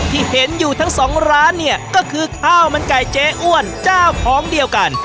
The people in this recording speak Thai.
ที่เห็นอยู่ทั้งสองร้านเนี่ยก็คือข้าวมันไก่เจ๊อ้วนเจ้าของเดียวกัน